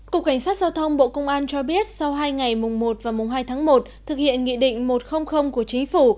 cục cảnh sát giao thông bộ công an cho biết sau hai ngày mùng một và mùng hai tháng một thực hiện nghị định một trăm linh của chính phủ